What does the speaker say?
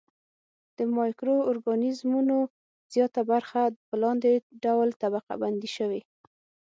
د مایکرو ارګانیزمونو زیاته برخه په لاندې ډول طبقه بندي شوې.